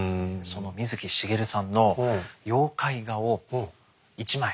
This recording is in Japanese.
その水木しげるさんの妖怪画を１枚。